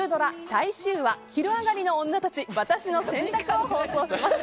最終話「昼上がりのオンナたちワタシの選択」を放送します。